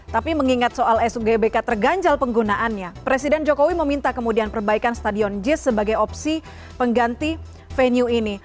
tapi mengingat soal sugbk terganjal penggunaannya presiden jokowi meminta kemudian perbaikan stadion jis sebagai opsi pengganti venue ini